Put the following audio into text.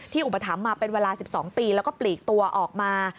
อุปถัมภ์มาเป็นเวลา๑๒ปีแล้วก็ปลีกตัวออกมา